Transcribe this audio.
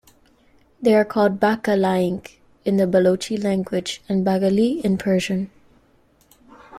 They are called "bakalaink" in the Balochi language, and "baghalee" in Persian.